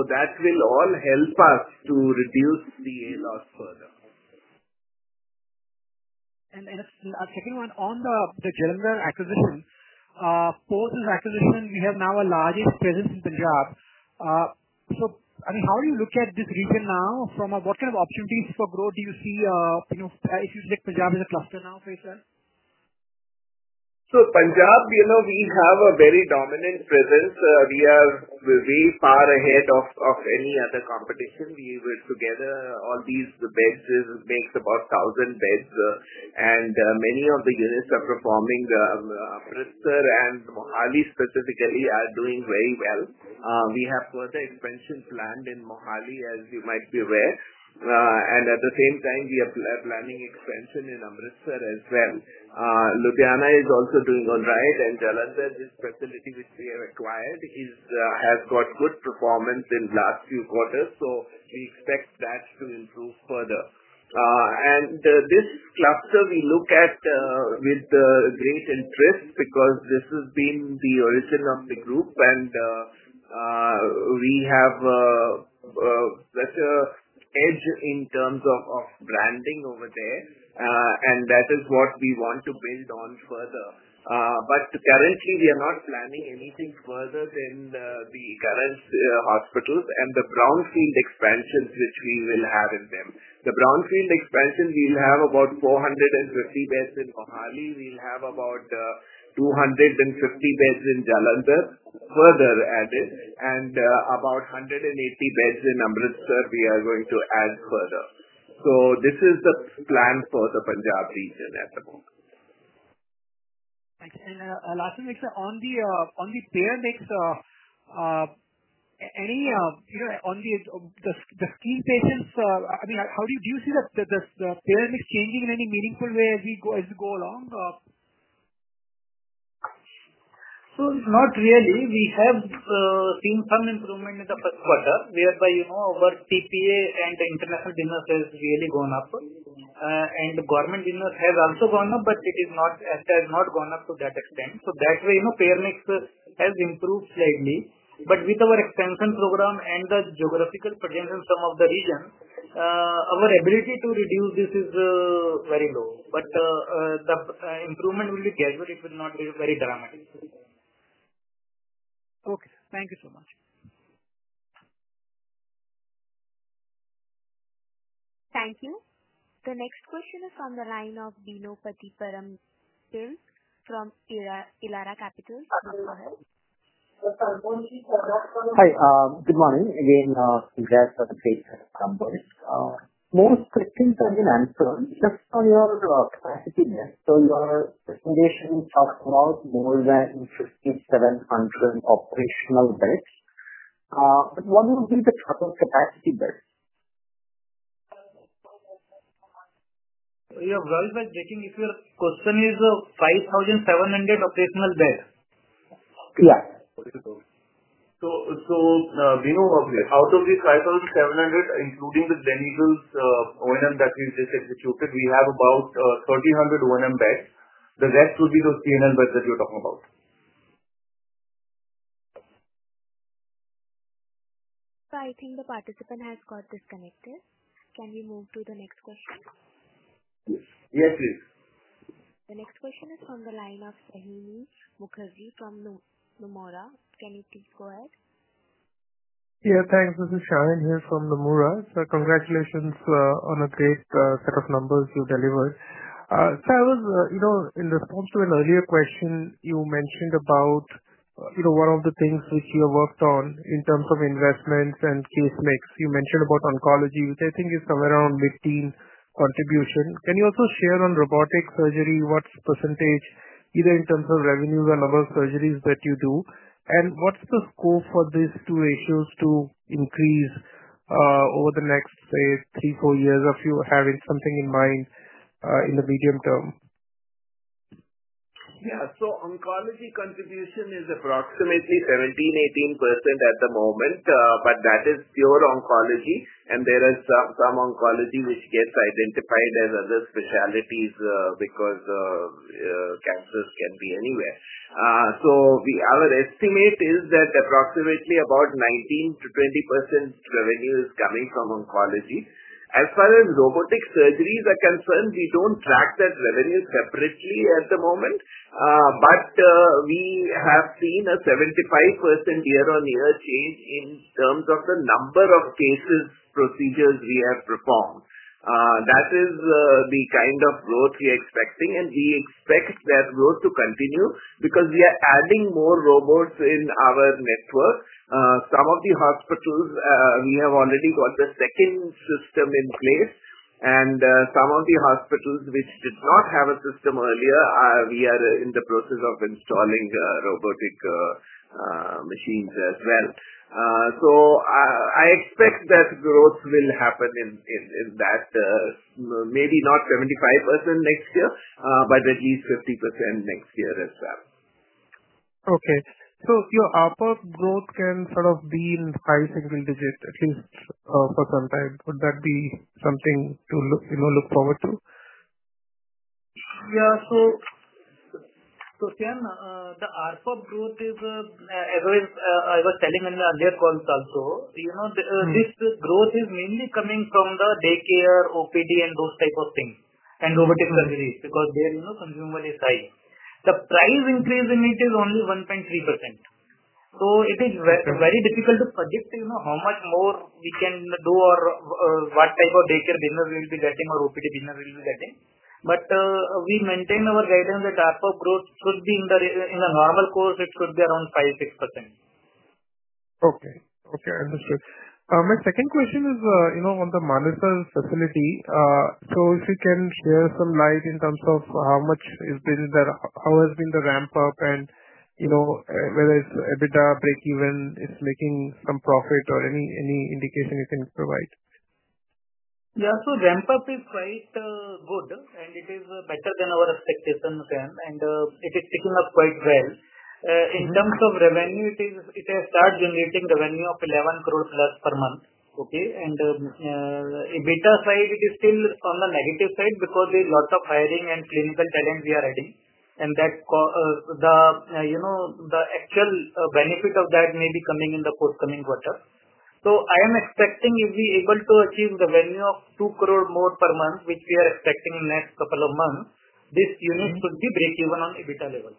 That will all help us to reduce the ALOS further. On the Shrimann Superspecialty Hospital acquisition, the Fortis acquisition, we have now a larger presence in Punjab. How do you look at this region now? What kind of opportunities for growth do you see? If you take Punjab as a cluster now, for example? Punjab, you know, we have a very dominant presence. We are very far ahead of any other competition. We were together. All these beds make about 1,000 beds, and many of the units are performing. Amritsar and Mohali specifically are doing very well. We have further expansion planned in Mohali, as you might be aware. At the same time, we are planning expansion in Amritsar as well. Ludhiana is also doing all right, and Jalandhar is a facility which we have acquired. It has got good performance in the last few quarters. We expect that to improve further. This cluster, we look at with great interest because this has been the origin of the group, and we have such an edge in terms of branding over there. That is what we want to build on further. Currently, we are not planning anything further than the current hospitals and the brownfield expansions which we will have in them. The brownfield expansion will have about 450 beds in Mohali, about 250 beds in Jalandhar further added, and about 180 beds in Amritsar we are going to add further. This is the plan for the Punjab region at the moment. Thanks. Last question, on the payer mix, any, you know, on the skilled patients, I mean, how do you see the payer mix changing in any meaningful way as we go along? Not really. We have seen some improvement in the first quarter, whereby our TPA and international demos has really gone up. The government demos has also gone up, but it has not gone up to that extent. That way, you know, payer mix has improved slightly. With our expansion program and the geographical presence in some of the regions, our ability to reduce this is very low. The improvement will be gradual. It will not be very dramatic. Okay. Thank you so much. Thank you. The next question is from the line of Bino Pathiparampil from Elara Capital. Please go ahead. Hi. Good morning. I'm here for the great complex. Next question for the answer, just on your capacity there. Your recommendation is about more than 5,700 operational beds. What would be the total capacity there? Yeah. Vivek, just checking if your question is 5,700 operational beds? Yeah. Bino, out of these 5,700, including the Gleneagles India O&M that we just executed, we have about 1,300 O&M beds. The rest would be those P&L beds that you're talking about. I think the participant has got disconnected. Can we move to the next question? Yes, please. The next question is from the line of Shahin from Lumira. Can you please go ahead? Yeah. Thanks. This is Shahin here from Lumira. Congratulations on a great set of numbers you delivered. In response to an earlier question, you mentioned about one of the things which you have worked on in terms of investments and case mix. You mentioned about oncology, which I think is somewhere around mid-teen contribution. Can you also share on robotic surgery? What percentage, either in terms of revenues or number of surgeries that you do? What's the scope for these two issues to increase over the next, say, three, four years, or if you have something in mind, in the medium term? Yeah. Oncology contribution is approximately 17% to 18% at the moment, but that is pure oncology. There is some oncology which gets identified as other specialties, because cancers can be anywhere. Our estimate is that approximately about 19% to 20% revenue is coming from oncology. As far as robotic surgeries are concerned, we don't track that revenue separately at the moment. We have seen a 75% year-on-year change in terms of the number of cases, procedures we have performed. That is the kind of growth we are expecting. We expect that growth to continue because we are adding more robots in our network. Some of the hospitals, we have already got the second system in place. Some of the hospitals which did not have a system earlier, we are in the process of installing robotic machines as well. I expect that growth will happen in that, maybe not 75% next year, but at least 50% next year as well. Okay. So your RPOB growth can sort of be in five, six digits, at least, for some time. Would that be something to look forward to? Yeah. The RPOB growth is, as I was telling in the earlier calls also, this growth is mainly coming from the daycare, OPD, and those types of things, and robotic surgeries because there, you know, consumer is high. The price increase in it is only 1.3%. It is very difficult to predict how much more we can do or what type of daycare demos we will be getting or OPD demos we will be getting. We maintained our guidance that RPOB growth could be in the normal course, which could be around 5, 6%. Okay. Okay. I understood. My second question is on the Manesar facility. If you can share some light in terms of how much has been the ramp-up and whether it's EBITDA breakeven, it's making some profit, or any indication you can provide? Yeah. Ramp-up is quite good, and it is better than our expectations. It is picking up quite well. In terms of revenue, it has started generating revenue of 11 crore per month. Okay. On the EBITDA side, it is still on the negative side because there are lots of hiring and clinical talent we are adding. The actual benefit of that may be coming in the forthcoming quarter. I am expecting if we are able to achieve the revenue of 2 crore more per month, which we are expecting in the next couple of months, this unit could be breakeven on EBITDA level.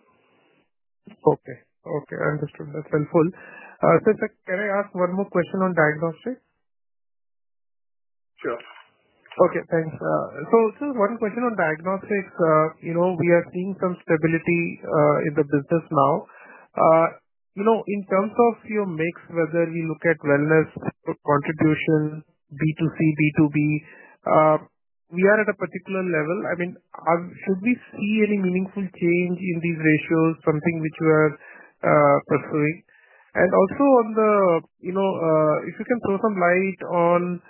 Okay. Okay. I understood. That's helpful. Can I ask one more question on diagnostics? Sure. Okay. Thanks. Just one question on diagnostics. We are seeing some stability in the business now. In terms of your mix, whether we look at wellness, contribution, B2C, B2B, we are at a particular level. Should we see any meaningful change in these ratios, something which you are pursuing? Also, if you can throw some light on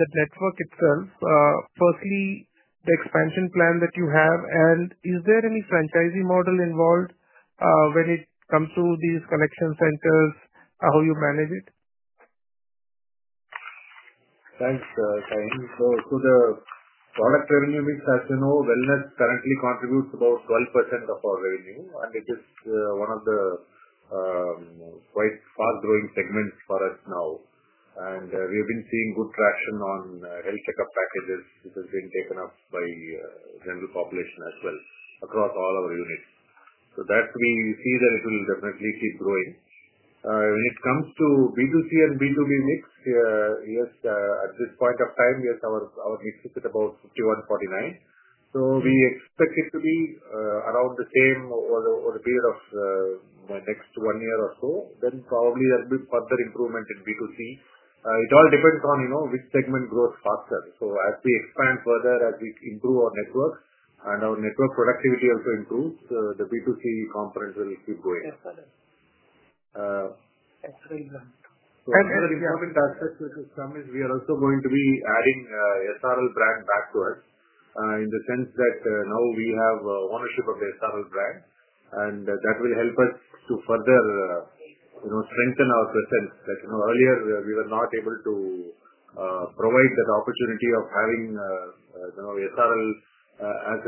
the network itself, firstly, the expansion plan that you have, and is there any franchisee model involved when it comes to these collection centers? How do you manage it? Thanks, Sam. To the product revenue mix, as you know, wellness currently contributes about 12% of our revenue, and it is one of the quite fast-growing segments for us now. We have been seeing good traction on health checkup packages, which has been taken up by the general population as well across all our units. We see that it will definitely keep growing. When it comes to B2C and B2B mix, yes, at this point of time, our mix is at about 51%, 49%. We expect it to be around the same over the period of the next one year or so. There will probably be further improvement in B2C. It all depends on, you know, which segment grows faster. As we expand further, as we improve our network and our network productivity also improves, the B2C components will keep growing. Excellent. Excellent work. Another improvement aspect which has come is we are also going to be adding SRL brand back to us in the sense that now we have ownership of the SRL brand. That will help us to further, you know, strengthen our presence. As you know, earlier, we were not able to provide that opportunity of having SRL as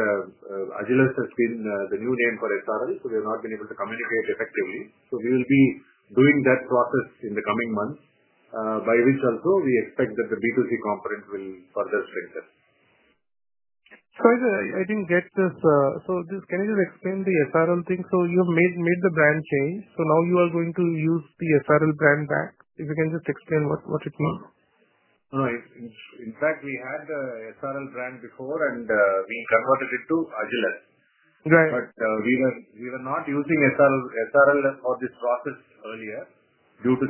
Agilus has been the new name for SRL. We have not been able to communicate effectively. We will be doing that process in the coming months, by which also we expect that the B2C component will further strengthen. Sorry, I didn't get this. Can you just explain the SRL thing? You have made the brand change. Now you are going to use the SRL brand back. If you can just explain what it means. No. In fact, we had the SRL brand before, and we converted it to Agilus. Right. We were not using SRL or this process earlier due to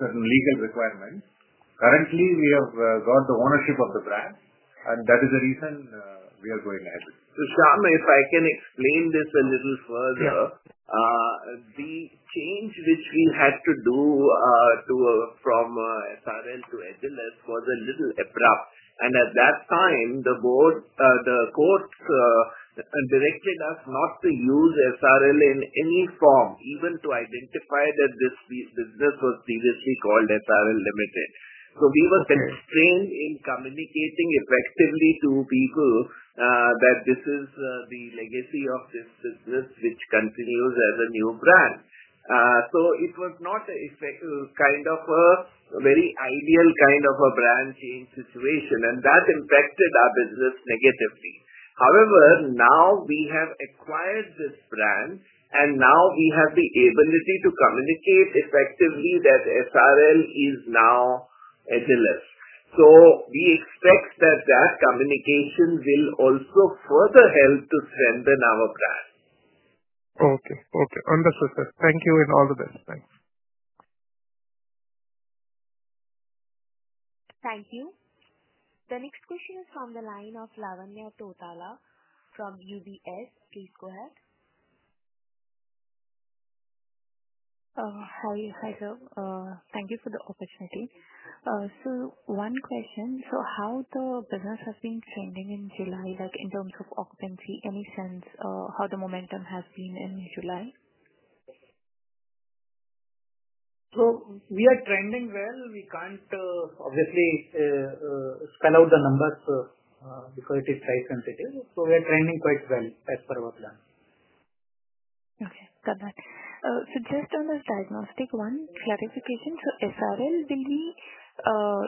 certain legal requirements. Currently, we have got the ownership of the brand, and that is the reason we are going ahead. If I can explain this a little further, the change which we had to do from SRL to Agilus was a little abrupt. At that time, the board, the courts directed us not to use SRL in any form, even to identify that this business was previously called SRL Ltd. We were constrained in communicating effectively to people that this is the legacy of this business, which continues as a new brand. It was not a very ideal kind of a brand change situation, and that impacted our business negatively. However, now we have acquired this brand, and now we have the ability to communicate effectively that SRL is now Agilus. We expect that communication will also further help to strengthen our brand. Okay. Okay. Understood, sir. Thank you and all the best. Thanks. Thank you. The next question is from the line of Lavanya Tottala from UBS. Please go ahead. Hi. Thank you for the opportunity. One question. How has the business been trending in July, like in terms of occupancy? Any sense of how the momentum has been in July? We are trending well. We can't obviously spell out the numbers because it is price sensitive. We are trending quite well as per our plan. Okay. Got that. Just on this diagnostic one, clarification, SRL will be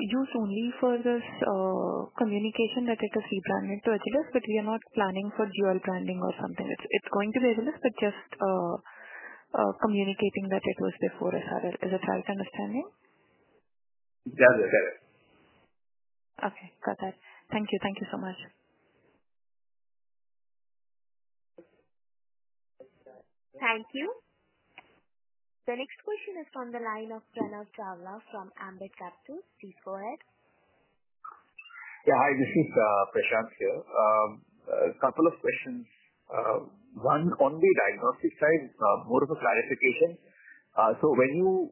used only for this communication that it has been branded to Agilus, but we are not planning for dual branding or something. It's going to be Agilus, just communicating that it was before SRL. Is that understanding? Yes, yes. Okay. Got that. Thank you. Thank you so much. Thank you. The next question is from the line of Sena Sarla from Ambit Capital. Please go ahead. Yeah. Hi. This is Prashant here. A couple of questions. One on the diagnostic side, more of a clarification. When you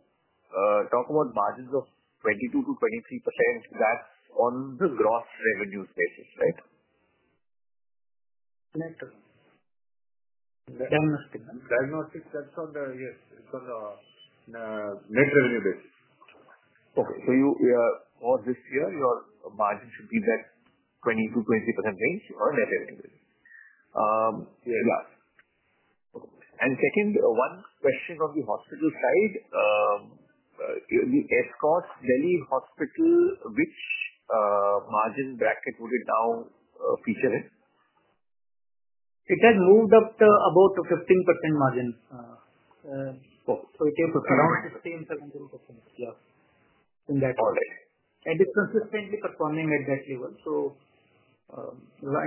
talk about margins of 22 to 23%, that's on the gross revenues basis, right? Diagnostics, that's on the net revenue basis. Okay. You are all this year, your margin should be that 20 to 20% range on net revenue basis. Yes. One question on the hospital side. Delhi Headquarters, Delhi Hospital, which margin bracket would it now feature in? It has moved up to about a 15% margin. Okay. It is around 15%, 17% plus in that. All right. It is consistently performing at that level.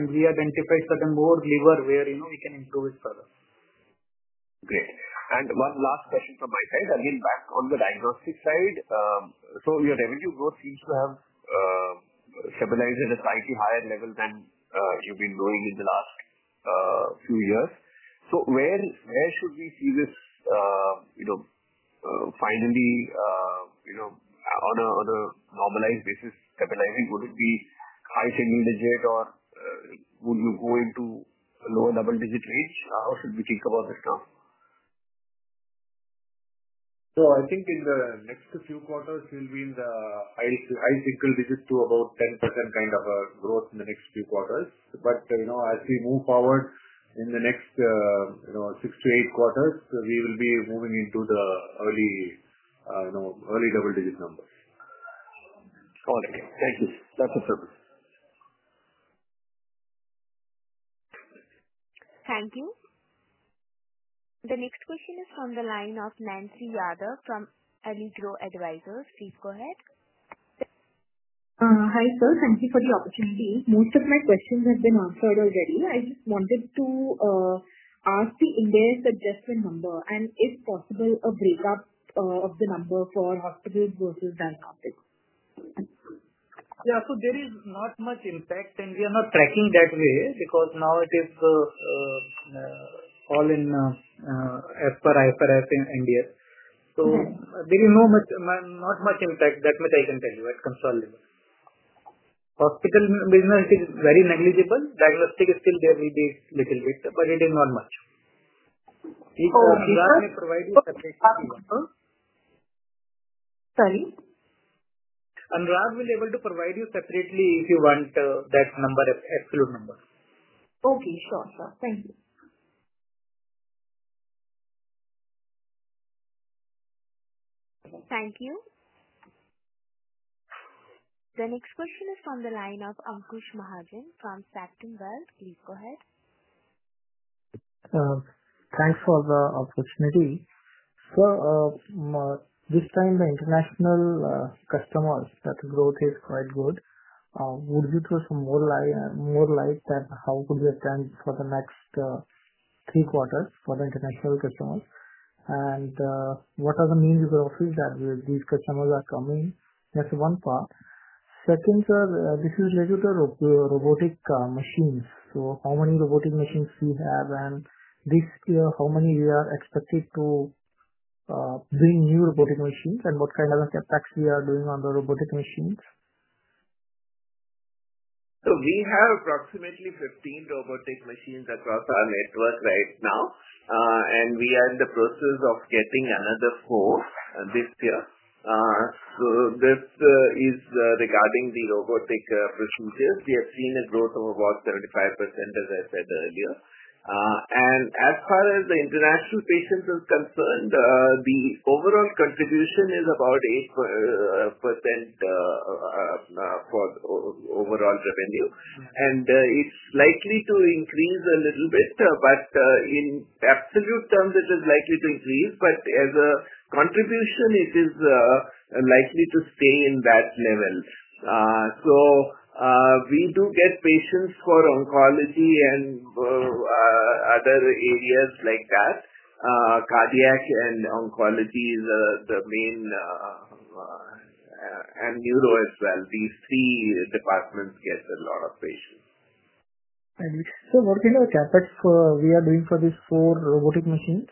We identify certain more levers where we can improve it further. Great. One last question from my side. Back on the diagnostic side, your revenue growth seems to have stabilized at a slightly higher level than you've been doing in the last few years. Where should we see this, you know, finally, on a normalized basis capitalizing? Would it be high to a new digit, or would you go into lower double-digit range? How should we think about this now? I think in the next few quarters, we'll be in the, I'll say, two digits to about 10% kind of a growth in the next few quarters. As we move forward in the next, you know, six to eight quarters, we will be moving into the early, you know, early double-digit numbers. All right. Thank you. That's the service. Thank you. The next question is from the line of Nancy Yadav from Allegro Advisors. Please go ahead. Hi, sir. Thank you for the opportunity. Most of my questions have been answered already. I just wanted to ask the index adjustment number, and, if possible, a breakup of the number for hospitals versus diagnostics. Yeah. There is not much impact, and we are not tracking that way because now it is all in fMRI for us in India. There is not much impact. That much I can tell you at consolidation. Hospital business is very negligible. Diagnostic is still there with a little bit, but it is not much. Oh, okay. Anurag will provide you separately. Sorry? Anurag will be able to provide you separately if you want that number, absolute number. Okay. Sure, sir. Thank you. Thank you. The next question is from the line of Ankush Mahajan from Kotak Bank. Please go ahead. Thanks for the opportunity. Sir, this time, the international customers, that growth is quite good. Would you throw some more light, more light, that how could we attend for the next three quarters for the international customers? What are the mean growths that these customers are coming? That's one part. Second, sir, this is related to robotic machines. How many robotic machines do you have? This year, how many are you expected to bring, new robotic machines? What kind of a CapEx are we doing on the robotic machines? We have approximately 15 robotic machines across our network right now, and we are in the process of getting another four this year. This is regarding the robotic machines. We have seen a growth of about 35%, as I said earlier. As far as the international patients are concerned, the overall contribution is about 8% for the overall revenue. It's likely to increase a little bit. In absolute terms, it is likely to increase, but as a contribution, it is likely to stay in that level. We do get patients for oncology and other areas like that. Cardiac and oncology is the main, and neuro as well. These three departments get a lot of patients. What kind of CapEx are we doing for these four robotic machines?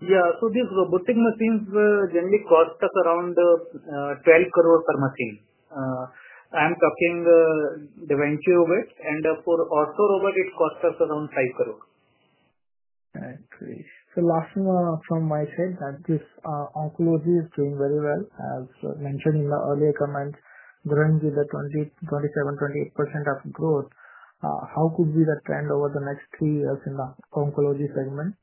These robotic machines generally cost us around 12 crore per machine. I'm talking the venture of it. For ortho robot, it costs us around INR 5 crore. Great. The last one from myself. At least oncology is doing very well, as mentioned in the earlier comments, growing with the 27% to 28% of growth. How could we see that trend over the next three years in the oncology segment?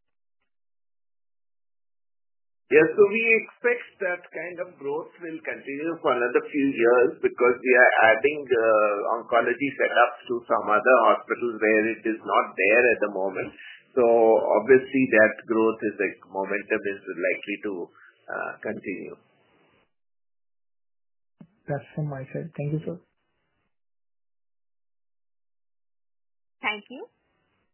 Yeah. We expect that kind of growth will continue for another few years because we are adding oncology setups to some other hospitals where it is not there at the moment. Obviously, that growth momentum is likely to continue. That's from my side. Thank you, sir. Thank you.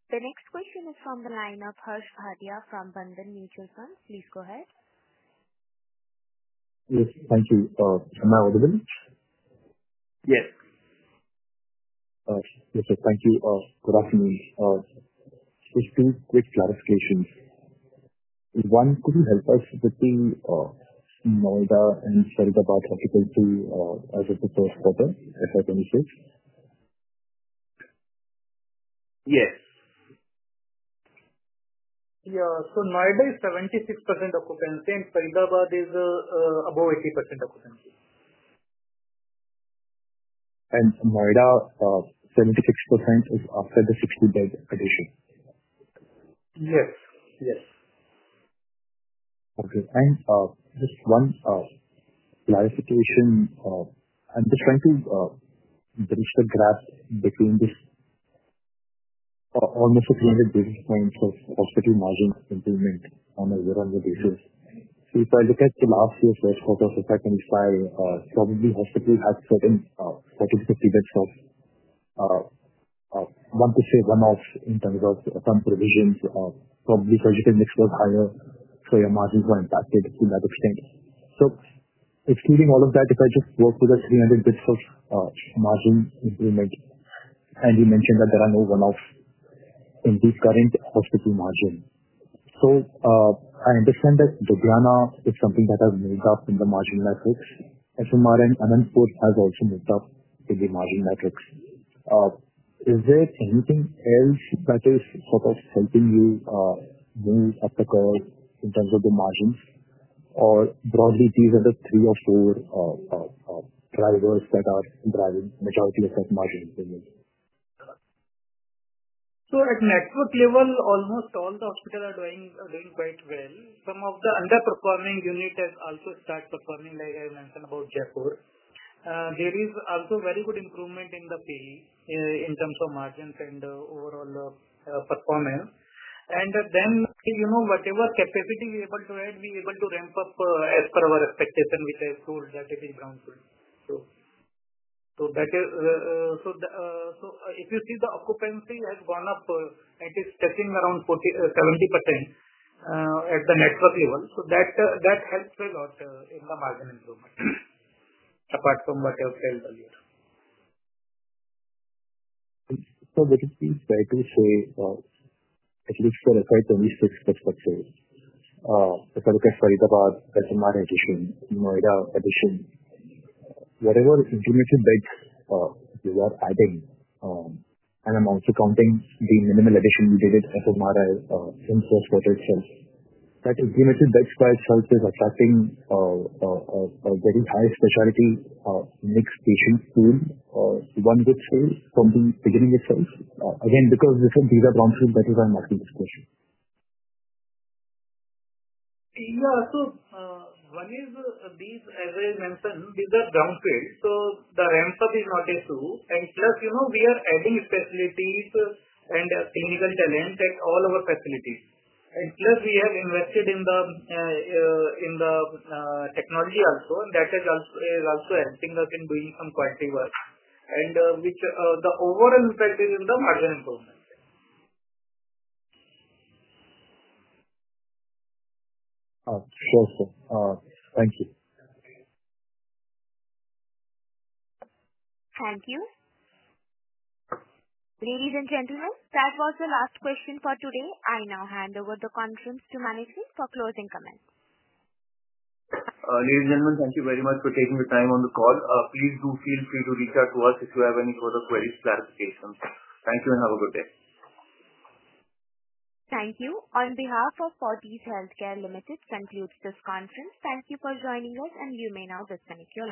The next question is from the line of Harsh Vaidya from Bandhan Mutual Fund. Please go ahead. Yes, thank you. Sharma, availability? Yes. Yes, sir. Thank you. Good afternoon. Question is for Fortis Healthcare. One, could you help us with the team in Noida and Faridabad hospital? Yes. Yeah. Noida is 76% occupancy, and Faridabad is above 80% occupancy. For Noida, 76% is after the 60-bed addition. Yes. Yes. Okay. Just one clarification. I'm just trying to bridge the gap between this almost 200 basis points of hospital margins improvement on a YoY basis. If I look at last year's report of the second file, probably hospitals had certain specific periods of, want to say, run-offs in terms of some provisions. Probably surgical mix was higher, so your margins were impacted to that extent. Excluding all of that, if I just work with the 300 bps of margin improvement, you mentioned that there are no run-offs in this current hospital margin. I understand that Dogana is something that has moved up in the margin metrics. Mulund and Amritsar have also moved up in the margin metrics. Is there anything else that is sort of helping you move up the curve in terms of the margins? Broadly, these are the three or four drivers that are driving majority effect margin improvement? At network level, almost all the hospitals are doing really quite well. Some of the underperforming units have also started performing, like I mentioned about Jaipur. There is also very good improvement in the pay in terms of margins and overall performance. Whatever capacity we are able to add, we are able to ramp up as per our expectation, which I told that it is brownfield. If you see the occupancy has gone up, it is touching around 70% at the network level. That helps a lot in the margin improvement, apart from what I have said earlier. What it means is that you say, at least for FY23-24, let's say, if I look at Faridabad as a MRI addition, Noida addition, whatever ingenuity beds you are adding, and I'm also counting the minimal addition you did at FMRI in four quarters' terms, that ingenuity beds by itself is attracting a very high specialty mix patient pool, one which is something triggering itself. Again, because these are brownfield beds as I'm asking this question. Yeah. One is these, as I mentioned, these are brownfield expansions, so the ramp-up is not an issue. Plus, you know, we are adding specialties and our clinical talent at all our facilities. Plus, we have invested in the technology also, and that is also helping us in doing some quality work, which overall impacts the margin improvement. Okay, thank you. Thank you. Very good, gentlemen. That was the last question for today. I now hand over the conference to Manish Singh for closing comments. Ladies and gentlemen, thank you very much for taking the time on the call. Please do feel free to reach out to us if you have any further queries or clarifications. Thank you and have a good day. Thank you. On behalf of Fortis Healthcare Limited, this concludes this conference. Thank you for joining us, and you may now disconnect.